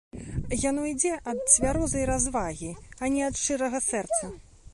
Яно ідзе ад цвярозай развагі, а не ад шчырага сэрца.